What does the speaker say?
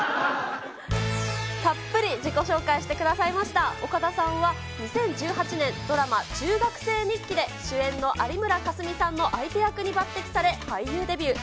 たっぷり自己紹介してくださいました岡田さんは、２０１８年、ドラマ、中学聖日記で、主演の有村架純さんの相手役に抜てきされ、俳優デビュー。